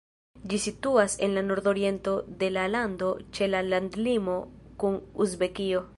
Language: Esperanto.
Ĝi situas en la nordoriento de la lando, ĉe la landlimo kun Uzbekio.